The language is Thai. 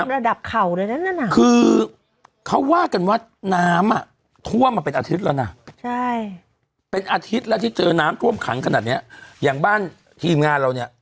ระดับเขานะอันนี้คือเขาว่ากันว่าน้ำผักท่วมไปอาทิตย์น่ะเนี่ยเป็นอาทิตย์แล้วที่เจอน้ำฝันขังขนาดนี้อย่างบ้านทีมงานเราเนี่ย